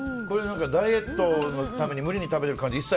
これ、ダイエットのために無理に食べてる感じ